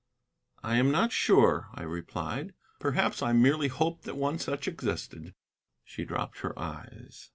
"I am not sure," I replied. "Perhaps I merely hoped that one such existed." She dropped her eyes.